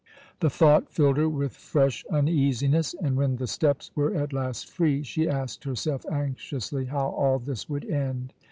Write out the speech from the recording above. The thought filled her with fresh uneasiness and, when the steps were at last free, she asked herself anxiously how all this would end.